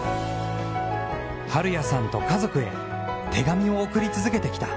晴也さんと家族へ手紙を送り続けてきた。